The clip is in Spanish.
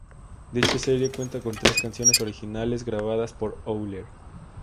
Dicha serie cuenta con tres canciones originales grabadas por Oller.